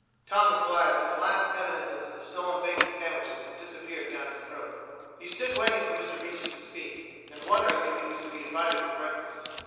Tom was glad that the last evidences of the stolen bacon sandwiches had disappeared down his throat. He stood waiting for Mr. Beecham to speak and wondering if he was to be invited for breakfast.